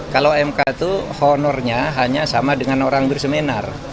kalau mk itu honornya hanya sama dengan orang berseminar